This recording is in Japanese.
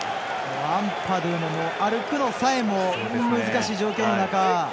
アンパドゥも歩くのさえも難しい状況の中。